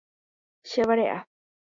Chevare'a.